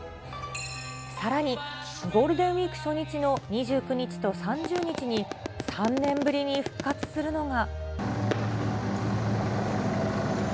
さらにゴールデンウィーク初日の２９日と３０日に、３年ぶりに復活するのが。